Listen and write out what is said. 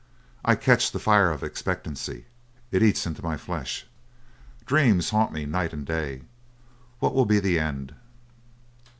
I catch the fire of expectancy. It eats into my flesh. Dreams haunt me night and day. What will be the end?